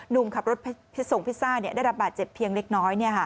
หนุ่มขับรถส่งพิซซ่าได้รับบาดเจ็บเพียงเล็กน้อย